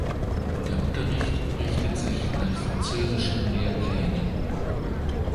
Der Unterricht richtet sich nach französischen Lehrplänen.